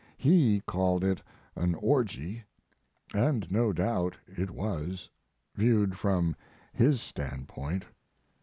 He called it an orgy. And no doubt it was, viewed from his standpoint.